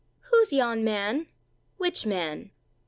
"WHO'S yon man?" "Which man?"